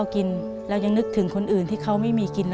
เปลี่ยนเพลงเพลงเก่งของคุณและข้ามผิดได้๑คำ